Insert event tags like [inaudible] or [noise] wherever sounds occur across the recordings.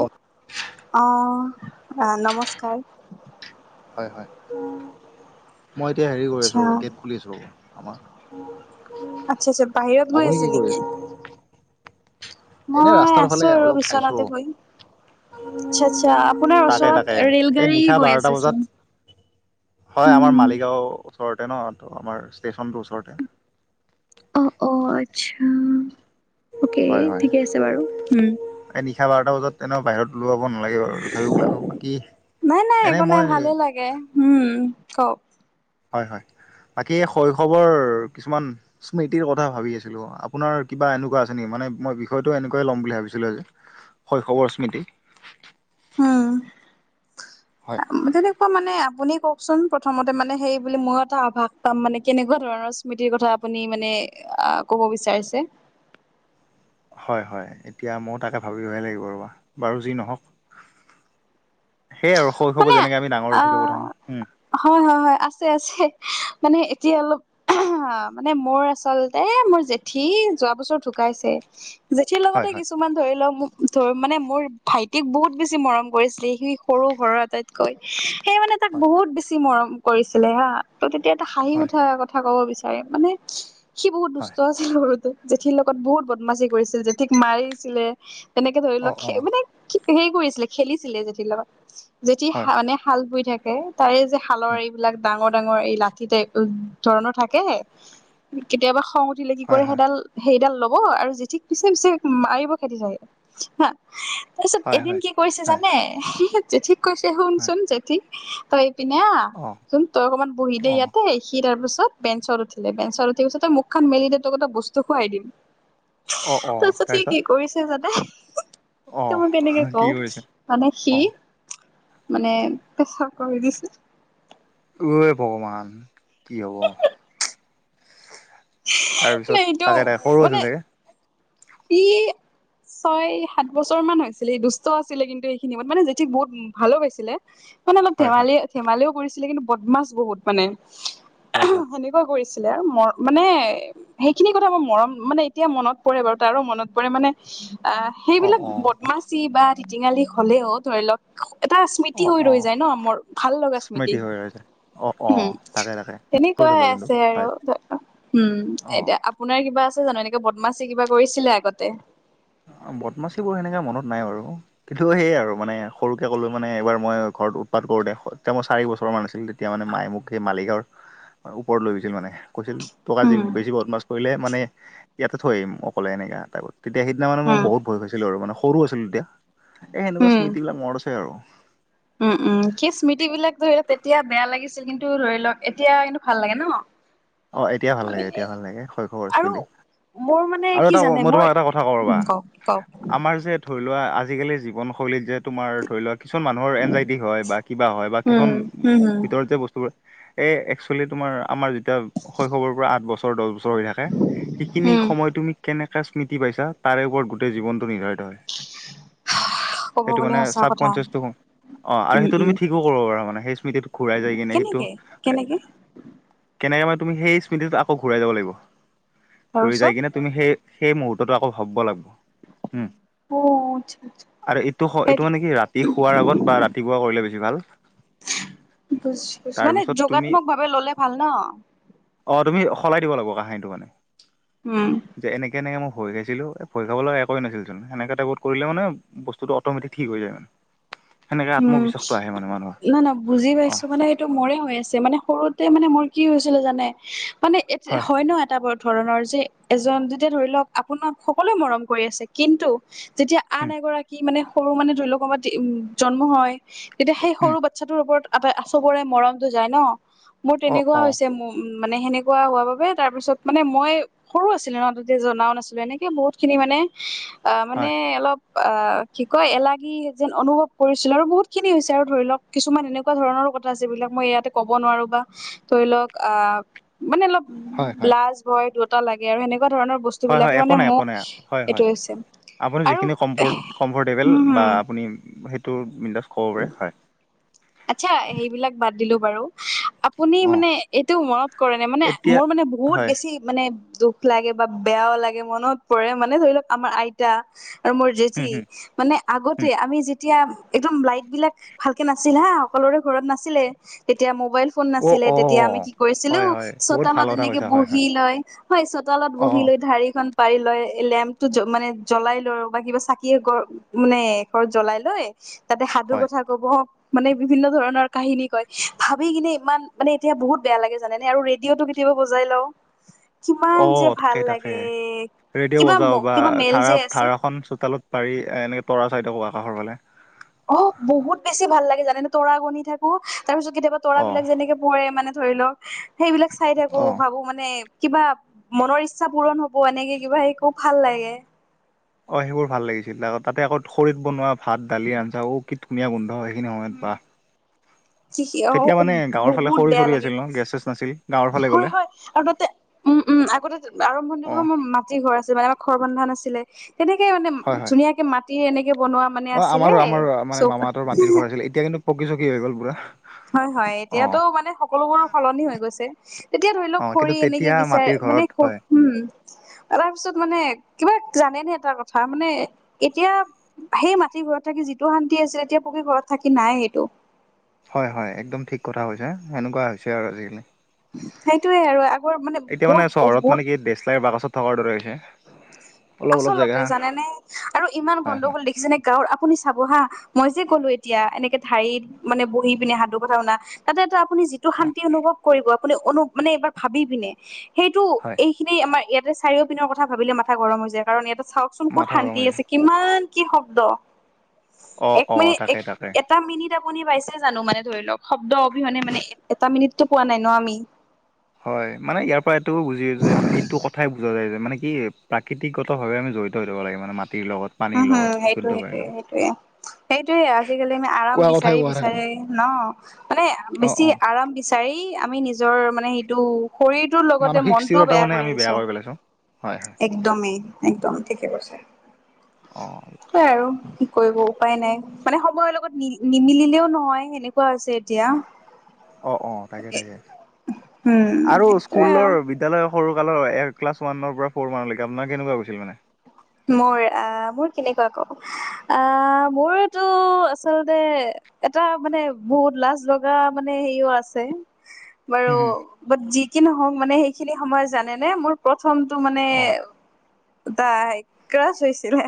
অ অ', নমস্কাৰ। হয় হয়, মই এতিয়া হেৰি কৰি আছোঁ, আচ্ছা ৰ'ব গেট খুলি আছোঁ ৰ'ব আমাৰ। আচ্ছা, আচ্ছা, বাহিৰত গৈ আপুনি আছে কি কৰি নেকি? এনে মই ৰাস্তাৰ ফালে আছোঁ আৰু অলপ চাইছো ৰ'ব। বিছনাতে শুই। আচছা আচ্ছা, আপোনাৰ তাকে তাকে ওচৰত ৰেল এই গাড়ী নিশা গৈ বাৰটা বজাত আছেচোন। হয় আমাৰ মালিগাঁও ওচৰতে ন', ত' আমাৰ ষ্টেচনটো ওচৰতে। অ, অ', আচ্ছা, অকে, হয় হয়। ঠিকে আছে বাৰু উম। এই নিশা বাৰটা বজাত তেওঁনে বাহিৰত ওলাৱাব নালাগে বাৰু, তথাপিও ওলালোঁ বাকী নাই নাই একো এনেই নাই মই ভালে লাগে উম কওঁক। হয় হয়, বাকী শৈশৱৰ কিছুমান স্মৃতিৰ কথা ভাবি আছিলোঁ, আপোনাৰ কিবা এনেকুৱা আছে নেকি, মানে মই বিষয়টো এনেকুৱা ল'ম বুলি ভাবিছিলোঁ আজি। শৈশৱৰ স্মৃতি। উম [unintelligible] তেনেকুৱা মানে আপুনি কওঁকচোন, প্ৰথমতে মানে সেই বুলি ময়ো এটা আভাস পাম, মানে কেনেকুৱা ধৰণৰ। স্মৃতিৰ কথা আপুনি মানে, ক'ব বিচাৰিছে। হয় হয়, এতিয়া ময়ো তাকে ভাবিবহে লাগিব ৰ'বা, বাৰু যি নহওঁক। সেইয়া আৰু, শৈশৱত মানে যেনেকে আমি ডাঙৰ হৈছিলো আহ প্ৰথম, উম। হয়, হয়, হয়, আছে আছে, মানে এতিয়া অলপ মানে মোৰ আচলতে, মোৰ জেঠীৰি যোৱা বছৰ ঢুকাইছে। জেঠীৰ লগতে হয়, হয়, কিছুমান ধৰি লওঁক ধ মানে মোৰ ভাইটিক বহুত বেছি মৰম কৰিছিলে, সি সৰুৰ পৰা আটাইতকৈ। সেই মানে তাক হয়, বহুত বেছি মৰম কৰিছিলে, হা, ত' তেতিয়া এটা হাঁহি হয়, উঠা কথা ক'ব বিচাৰ মানে সি বহুত দুষ্ট হয়, আছিল সৰুতে। জেঠীৰ লগত বহুত বদমাচি কৰিছিল, জেঠীক মাৰিছিলে তেনেকে ধৰি অ', লওঁক অ', মানে হেৰি কৰিছিলে, খেলিছিলে জেঠীৰ লগত। জেঠী হয়, মানে শাল বুই থাকে, তাৰে যে শালৰ হয়, এইবিলাক ডাঙৰ, ডাঙৰ এই লাঠি টাইপ উম ধৰণৰ থাকেহ কেতিয়াবা খং উঠিলে কি হয়, কৰে হয়, সেইডাল সেইডাল ল'ব আৰু জেঠিক পিছে পিছে মাৰিব খেতি থাকে হা তাৰপিছত হয়, এদিন হয়, কি কৰিছে হয়, জানে, জেঠিক কৈছে হয়, শুনচোন জেঠিক তই অ', চোন তই অকমান বহি দে অ', ইয়াতে সি তাৰ পিছত বেঞ্চত উঠিলে, বেঞ্চত উঠি পিছতে মুখখন মেলি দে তিক এটা বস্তু খুৱাই দিম। অ', অ', তাৰপিছত সি কি কৰিছে জানে ত অ', মই কেনেকে কি কও কৰিছে মানে সি অ', মানে পেচা কৰি দিছে। ঐ! ভগৱান কি হ'ব। মানে তাৰপিছত এইটো তাকে তাক সৰু আছিল চাগে? সি ছয়-সাত বছৰ মান হৈছিলে, দুষ্ট আছিলে কিন্তু সেইখিনি সময়ত মানে জেঠিক বহুত ভালো পাইছিলে। মানে অলপ হয়, হয়, ধেমালি ধেমালিও কৰিছিলে কিন্তু বদমাছ বহুত মানে। হয়, হয়, সেনে কৰিছিলে ম মানে সেইখিনি কথা মোৰ মৰম মানে এতিয়া মনত পৰে বাৰু তাৰো মনত পৰে মানে আহ অ', সেইবিলাক অ', বদমাচি বা ধিটিঙালি হ'লেও ধৰি লওক এটা স্মৃতি অ', হৈ ৰৈ অ', যায় ন, মোৰ ভাল লগা স্মৃতি হৈ ৰৈছে অ', অ', উম। তাকে তাকে মনত কৰি থলো তেনেকুৱাহে কিন্তু আছে হয়, আৰু উম অ'। এতিয়া আপোনাৰ কিবা আছে জানো? এনেকে বদমাচী কিবা কৰিছিলে আগতে? বদমাচিবোৰ সেনেকৈ মনত নাই বাৰু। কিন্তু সয়ে আৰু মানে সৰুকে ক'লো মানে এবাৰ মই ঘৰত উৎপাত কৰোতে তেতিয়া মই চাৰি বছৰ মান আছিল তেতিয়া মানে মায়ে মোক সেই মালিকগাঁৱৰ ওপৰত লৈ গৈছিল মানে। কৈছিল তোক উম বেছি বদমাছ কৰিলে মানে ইয়াতে থৈ আহিম অকলে এনেকা টাইপৰ তেতিয়া সি মানে মই উম, বহুত ভয় খাইছিলো আৰু মানে সৰু আছিলো তেতিয়া। এই সেনেকুৱা উম, স্মৃতিবিলাক মৰত আছে আৰু। উম উম সেই স্মৃতি বিলাক ধৰি লওক তেতিয়া বেয়া লাগিছিল, কিন্তু ধৰি লওক এতিয়া কিন্তু ভাল লাগে ন? অ এতিয়া ভাল মানে লাগে, এতিয়া ভাল লাগে, শৈশৱৰ আৰু স্মৃতি। মোৰ মানে আৰু কি এটা জানে মই মোৰ তোমাক এটা কথা ক ৰবা উম, কওক কওক আমাৰ যে ধৰি লোৱা আজিকালি জীৱনশৈলীত যে তোমাৰ ধৰি লোৱা কিছুমান মানুহৰ এনজাইটি হয় বা কিবা হয় বা উম, কিছুমান হম, হম, ভিতৰত যে বস্তুবোৰ এ একচুৱেলি তোমাৰ আমাৰ যেতিয়া শৈশৱৰ পৰা আঠ বছৰ দহ বছৰ হৈ থাকে, সেইখিনি হম, সময় তুমি কেনেকৈ স্মৃতি পাইছা তাৰে ওপৰত গোটেই জীৱনটো নিৰ্ধাৰিত হয়। ক'ব সেইটো গলে মানে সচা কথা। চাবকনচিয়াচটো অ আৰু উম, সেইটো উম, তুমি ঠিকো কৰিব পাৰা মানে, সেই স্মৃতিটো ঘূৰাই যাই কিনে সেইটো কেনেকে কেনেকে কেনেকে মানে তুমি সেই স্মৃতিত আকৌ ঘূৰাই যাব লাগিব, ঘূৰি যাই তাৰপিছত কিনে তুমি সেই সেই মুহুৰ্ততো আকৌ ভাবিব লাগিব উম। অ' আচ্ছা, আচ্ছা। আৰু এইটো এইটো হেৰি মানে কি ৰাতি শোৱাৰ আগত বা ৰাতিপুৱা কৰিলে বেছি ভাল। বুজু মানে তাৰপিছত তুমি যোগাত্মক ভাৱে ললে ভাল ন? অ তুমি সলাই দিব লাগিব কাহিনীটো মানে। উম যে এনেকে এনেকে মই ভয় খাইছিলো, ভয় খাবলৈ একোৱে নাছিলেচোন এনেকে টাইত কৰিলে মানে বস্তুটো অটমেটিক ঠিক হৈ যায় মানে। সেনেকে উম আত্মবিশ্বাসটো আহে মানে মানুহৰ নাই নহ বুজি অ পাইছো মানে মোৰে হৈ আছে, মানে সৰুতে মানে মোৰ কি হৈছিলে জানে মানে এ হয় ন এটা ব ধৰণৰ যে এজন যেতিয়া ধৰি লওক আপোনাক সকলোৱে মৰম কৰি আছে, কিন্তু যেতিয়া আন উম এগৰাকী মানে সৰু মানে ধৰিল [unintelligible] জন্ম হয় তেতিয়া সেই উম সৰু বাচ্ছাটোৰ ওপৰত এটা আচবৰে মৰমটো যায় ন মোৰ অ তেনেকুৱা অ হৈছে উম মানে সেনেকুৱা হোৱা বাবে তাৰ পিছত মানে মই সৰু আছিলে ন তেতিয়া জনাও নাছিলো, এনেকে বহুত খিনি মানে অ মানে হয় অলপ অ কি কয় এলাগী যেন অনুভৱ কৰিছিলো আৰু বহুতখিনি হৈছে আৰু ধৰি লওক কিছুমান এনেকুৱা ধৰণৰো কথা আছে যিবিলাক মই ইয়াতে ক'ব নোৱাৰো বা ধৰি লওক আ, মানে অলপ হয় হয় লাজ ভয় দুটা লাগে আৰু সেনেকুৱা ধৰণৰ বস্তু। হয় হয় বস্তুবিলাকে একো মানে নাই একো মোক নাই হয় হয় এইটো হৈছে। আপুনি আৰু যিখিনি কমফৰ কমফৰ্টেবল উম বা হম আপুনি সেইটো বিন্দাচ ক'ব পাৰে হয়। আচ্ছা সেইবিলাক বাদ দিলোঁ বাৰু, আ আপুনি অ মানে এইটোও মনত কৰেনে মানে এতিয়া মোৰ মানে বহুত হয় বেছি মানে দুখ লাগে বা বেয়াও লাগে, মনত পৰে মানে ধৰি লওক আমাৰ আইতা। আৰু মোৰ হুম জেঠি হুম মানে আগতে হুম আমি যেতিয়া একদম লাইটবিলাক ভাল কে নাছিল হা, সকলোৰে ঘৰত নাছিলে তেতিয়া মোবাইল ফোন অ নাছিলে অ তেতিয়া আমি কি কৰিছিলো, হয় হয় বহুত ভাল চোতালত কথা এনেকে কৈছা হয় হয় বহি লৈ হয়, চোতালত অ বহি লৈ ঢাৰিখন পাৰি লৈ, লেম্পটো জ মানে জ্বলাই লৈ বা কিবা চাকিয়ে ঘ মানে শেষত জ্বলাই লৈ তাতে সাধু হয় কথা ক'ব। মানে বিভিন্ন ধৰণৰ কাহিনী কয়, ভাবি কিনে ইমান মানে এতিয়া বহুত বেয়া লাগে জানেনে আৰু ৰেডিঅ'টো কি টিও বজাই লওঁ। [inaudible] কিমান অ' যে ভাল তাকে তাকে লাগে ৰেডিঅ' কিবা বজাওঁ বা কিবা মেল যে ধাৰা আছে ধাৰাখন চোতালত পাৰি এনেকৈ তৰা চাইড আকৌ আকাশৰ ফালে। অ' বহুত বেছি ভাল লাগে জানেনে, তৰা গনি থাকোঁ তাৰপিছত কেতিয়াবা অ তৰাবিলাক যেনেকে পৰে, মানে ধৰি লওক সেইবিলাক চাই থাকোঁ, অ ভাবোঁ মানে কিবা মনৰ ইচ্ছা পূৰণ হ'ব, এনেকে কিবা হে, খুব ভাল লাগে। অ' সেইবোৰ ভাল লাগিছিল আকৌ তাতে আকৌ খৰিত বনোৱা ভাত, দালি, আঞ্জা ধুমীয়া গোন্ধ হয় সেইখিনি সময়ত বা। কি অ তেতিয়া মানে গাঁৱৰ ফালে বহুত খৰি বেয়া চৰি লাগে আছিল ন' গেছ ছেছ নাছিল। গাঁৱৰ ফালে হয় গ'লে হয়, আৰু তাতে উম, উম, আগতে আৰম্ভণিৰ অ তোমাৰ মা ঘৰ আছিল মানে আমাৰ খৰ বন্ধা নাছিলে, তেনেকে মানে হয় হয় ধুনীয়াকে মাটি এনেকে বনোৱা মানে অ' আছিলে আমাৰো আমাৰো মানে চৌক মামাহঁতৰ মাটিৰ ঘৰ আছিল এতিয়া কিন্তু পকী চকী হৈ গ'ল পুৰা। হয় হয়, অ এতিয়াতো মানে সকলোবোৰ সলনি হৈ গৈছে। তেতিয়া ধৰি অ লওক কিন্তু খৰি এনেকে তেতিয়া বিচাৰে মাটিৰ মানে, ঘৰত হয় উম। তাৰপিছত মানে কিবা জানেনে এটা কথা মানে এতিয়া সেই মাটি ঘৰত থাকি যিটো শান্তি আছিলে, এতিয়া পকী ঘৰত থাকি নাই সেইটো। হয় হয়, একদম ঠিক কথা কৈছে, সেনেকুৱা হৈছে আৰু আজিকালি। সেইটোয়ে আৰু। আগৰ এতিয়া মোৰ মানে চহৰত বহুত মানে কি ডেচলাইৰ বাকছত থকাৰ দৰে হৈছে। অলপ অলপ আচলতে জেগা জানেনে, আৰু ইমান হয় হয় গণ্ডগোল দেখিছে নে? গাঁৱৰ আপুনি চাব হা, মই যে ক'লো এতিয়া এনেকে ঢাৰিত মানে বহি পিনে সাধু কথা শুনা তাতে এটা আপুনি যিটো হয় শান্তি অনুভৱ কৰিব আপুনি অনু মানে এইবাৰ ভাবি পিনে সেইটো হয় এই খিনি আমাৰ ইয়াতে চাৰিও পিনৰ কথা ভাবিলে মাথা গৰম হৈ যায় কাৰ ইয়াতে চাওকচোন ক'ত মাথা গৰম শান্তি হৈ যায়। আছে কিমান কি শব্দ, অ', এক অ', মিনিট তাকে এক তাকে। এ এটা মিনিট আপুনি পাইছে জানো মানে ধৰি লওক শব্দ অবিহনে, মানে এটা মিনিটতো পোৱা নাই ন' আমি। হয় মানে ইয়াৰপৰা এইটো বুজি যে, এইটো কথাই বুজা যায় যে মানে কি প্ৰাকৃত তিকগতভাৱে আমি জড়িত থাকিব লাগ মানে মাটিৰ লগত। পানীৰ উম, লগত, হুম, সেইটো, বিশুদ্ধ পানীৰ সেইটোয়ে, লগত। সেইটোয়ে। সেইটোয়ে আজিকালি আমি আৰাম কোৱা কথাই বিচাৰি কোৱা কথাই। বিচাৰি ন' মানে অ', বেছি অ', আৰাম বি চাৰি আমি নিজৰ মানে সেইটো শৰীৰটোৰ লগতে মানসিক মনটোও স্থিৰতা বেয়া মানে কৰি আমি আহিছোঁ। পেলাইছোঁ। হয় হয়। একদমেই, একদম ঠিকে কৈছে। অ'। সেয়া আৰু কি কৰিব উপায় নাই, মানে সময়ৰ লগত নি নিমিলিলেও নহয় সেনেকুৱা হৈছে এতিয়া। অ', অ' তাকে তাকে। উম আৰু সেইটোয়ে আৰু স্কুলৰ বি এতিয়ালৈ সৰুকালৰ এক ওৱান পৰা ফ'ৰ মানলৈকে আপোনাৰ কেনেকুৱা গৈছিল মানে। মোৰ আহ মোৰ কেনেকুৱা কওঁ আহ মোৰতটো আচলতে এটা মানে বহুত লাজ লগা মানে হেৰিও আছে। বাৰু হ'ম। বাট যি কি নহওক মানে সেইখিনি সময় জানেনে নে মোৰ প্ৰথমটো মানে অ', ত ক্ৰাছ হৈছিলে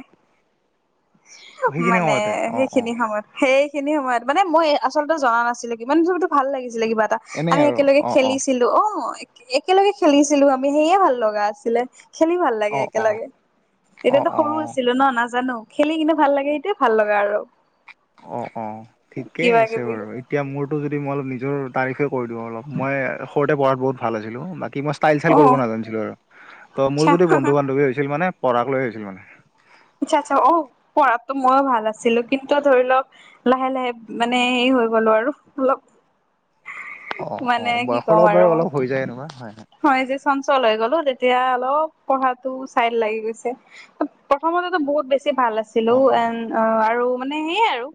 সেইখিনি মানে সময়তে অ', সেইখিনি অ', সময়ত সেইখিনি সময়ত মানে মই আচলতে জনা নাছিলে কিমান বো ভাল লাগিছিলে কিবা এটা। এনেই আমি আৰু একেলগে অ', অ', খেলিছিলোঁ অ', একেলগে খেলিছিলোঁ আমি সেয়ে ভাল লগা আছিলে। খেলি ভাল লাগে অ', অ', একেলগে। অ', এতিয়াতো সৰু অ'। আছিলো ন নাজানো খেলি কিন্তু ভাল লাগে সেইটোৱে ভাল লগা আৰু। অ', অ', ঠিকেই কিবা আছে কিবি বাৰু। এতিয়া মোৰটো যদি মই অলপ নিজৰ তাৰিফে কৰি দিওঁ অলপ মই সৰুতে পঢ়াত বহুত ভাল আছিলোঁ বাকী মই টাইল অ চাইল কৰিব নাজানছিলোঁ আৰু তো মোৰ আচ্ছা যদি বন্ধু বান্ধৱী হৈছিল মানে পঢ়াক লৈ হৈছিল মানে। আচ্ছা, আচ্ছা অ পঢ়াতটো ময়ো ভাল আছিলোঁ কিন্তু ধৰি লওক লাহে লাহে মানে হে হৈ গ'লো আৰু অলপ অ', মানে অ', কি বয়সৰ ক'ম লগত আৰু বাৰু অলপ হৈ যায় এনেকুৱা হয়ে হয়। হয় যে চঞ্চল হৈ গলোঁ তেতিয়া অলপ পঢ়াটো চাইত লাগি গৈছে। অসমতে বহুত বেছি ভাল আছিলো অ অ এন আৰু মানে সেইয়াই আৰু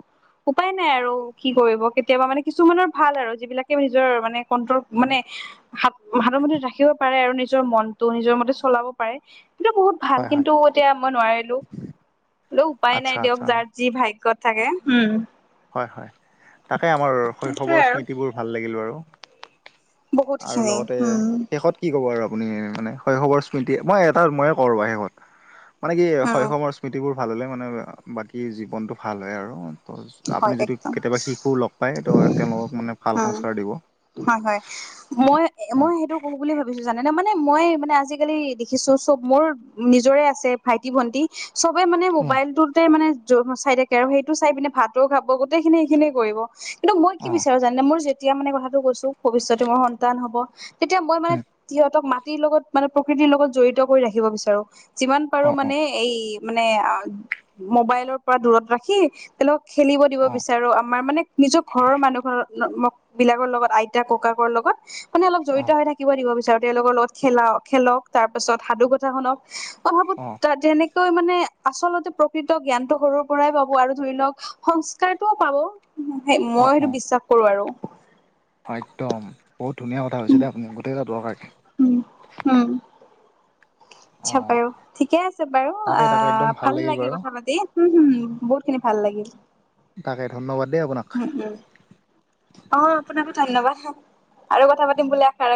উপায় নাই আৰু কি কৰিব কেতিয়াবা মানে কিছুমানৰ ভাল আৰু যিবিলাকে নিজৰ মানে কন্ট্ৰল মানে হাত হাতৰ মতে ৰাখিব পাৰে আৰু নিজৰ মনটো নিজৰ মতে চলাব পাৰে কিন্তু বহুত ভাল হয় হয় কিন্তু এতিয়া মই নোৱাৰিলো বোলে উপায় নাই আচ্ছা দিয়ক আচ্ছা যাৰ যি ভাগ্যত থাকে উম। হয়, হয় তাকে আমাৰ সেইটোৱে শৈশৱৰ আৰু স্মৃতিবোৰ ভাল লাগিল আৰু। বহুত আৰু খিনি লগতে উম শেষত কি ক'ব আৰু আপুনি মানে শৈশৱৰ স্মৃতি মই এটা মই কো ৰৱ শেষত। মানে কি উম শৈশৱৰ স্মৃতিবোৰ ভাল হ'লে মানে বাকী জীৱনটো ভাল হয় আৰু ত'। আপুনি হয় যদি একদম কেতিয়াবা শিশু লগ পায় তো তেওঁলোকক মানে ভাল সংস্কাৰ উম দিব। হয়, হয়। মই মই সেইটো কো বুলি ভাবিছোঁ জানে ন মানে মই মানে আজিকালি দেখিছো চব মোৰ নিজৰে আছে ভাইটি ভণ্টি চবে মানে উম মোবাইলটোতে মানে চাই থাকে আৰু সেইটো চাই পিনে ভাত খাব গোটেই খিনি এইখিনিয়ে কৰিব কিন্তু মই কি অ বিচাৰোঁ জানে মোৰ যেতিয়া মানে কথাটো কৈছোঁ ভৱিষ্যতে মোৰ সন্তান হ'ব তেতিয়া মই মানে উম সিহঁতক মাটিৰ লগত মানে প্ৰকৃতিৰ লগত জড়িত কৰি ৰাখিব বিচাৰোঁ। যিমান পাৰো অ অ মানে এই মানে মোবাইলৰ পৰা দূৰত ৰাখি তেওঁলোক খেলিব দিব অ বিচাৰোঁ আমাৰ মানে নিজৰ ঘৰৰ মানুহ ঘ বিলাকৰ লগত আইতা ককাকৰ লগত মানে অলপ অ জড়িত হৈ থাকে শিকিব দিব বিচাৰোঁ তেওঁলোকৰ লগত খেলা খেলক তাৰ পাছত সাধু কথা শুনক মই অ'। যেনেকৈ মানে আচলতে প্ৰকৃত জ্ঞানটো সৰুৰ পৰাই পাব আৰু ধৰি লওক সংস্কাৰটোও পাব মই অ অ সেইটো বিশ্বাস কৰো আৰু। একদম বহুত ধুনীয়া কথা হৈছে দেই আপুনি গোটে কেইটা দৰকাৰী। হম, উম। অ আচ্ছা বাৰু ঠিকে আছে বাৰু, তাকে তাকে আহ একদম ভাল লাগিল বাৰু কথা পাতি। উম, হুম হু বহুত খিনি ভাল লাগিল। তাকে ধন্যবাদ দেই আপোনাক। উম উম অ', আপোনাকো ধন্যবাদ আৰু কথা পাতিম বুলি আশা ৰাখি